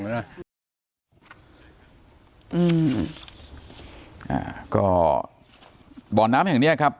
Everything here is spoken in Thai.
อืมอ่าก็บ่อน้ำแห่งเนี้ยครับ